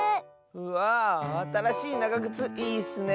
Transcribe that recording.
うわあたらしいながぐついいッスね。